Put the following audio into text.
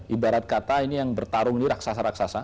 ibarat kata ini yang bertarung ini raksasa raksasa